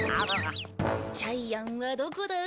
ジャイアンはどこだ？